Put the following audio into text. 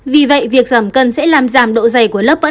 vì vậy việc giảm cân sẽ làm giảm độ dày của lớp mỡ này